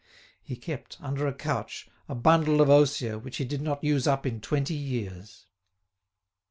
He kept, under a couch, a bundle of osier which he did not use up in twenty years.